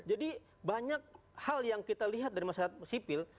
jadi banyak hal yang kita lihat dari masyarakat sipil